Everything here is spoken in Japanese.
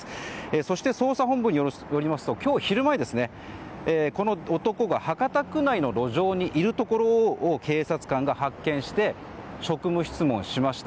そして、捜査本部によりますと今日昼前この男が博多区内の路上にいるところを警察官が発見して職務質問しました。